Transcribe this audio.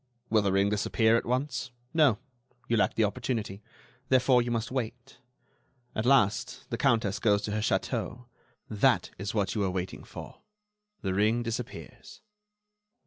Will the ring disappear at once? No; you lack the opportunity. Therefore, you must wait. At last the Countess goes to her château. That is what you were waiting for. The ring disappears."